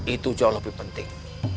itu jauh lebih penting